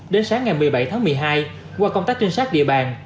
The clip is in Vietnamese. đến sáng ngày một mươi bảy tháng một mươi hai qua công tác trinh sát địa bàn